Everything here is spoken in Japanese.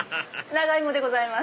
長芋でございます。